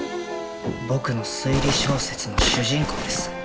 僕の推理小説の主人公です。